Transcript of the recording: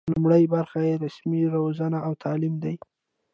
لومړۍ برخه یې رسمي روزنه او تعلیم دی.